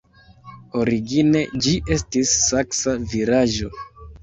Origine ĝi estis saksa vilaĝo.